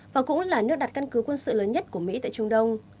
và cũng là nước đặt căn cứ quân sự lớn nhất của mỹ tại trung đông